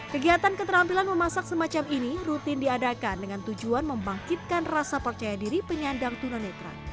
kegiatan keterampilan memasak semacam ini rutin diadakan dengan tujuan membangkitkan rasa percaya diri penyandang tunanetra